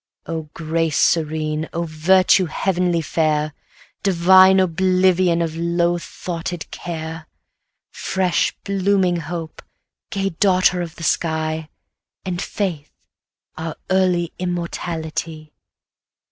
O Grace serene! O Virtue heavenly fair! Divine oblivion of low thoughted care! Fresh blooming Hope, gay daughter of the sky! 300 And Faith, our early immortality!